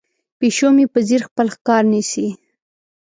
پیشو مې په ځیر خپل ښکار نیسي.